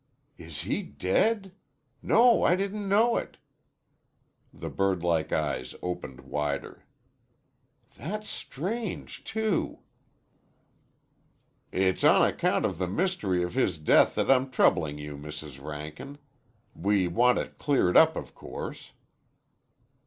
"Is he dead? No, I didn't know it." The birdlike eyes opened wider. "That's strange too." "It's on account of the mystery of his death that I'm troubling you, Mrs. Rankin. We want it cleared up, of course."